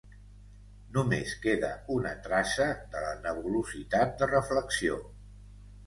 Només queda una traça de la nebulositat de reflexió.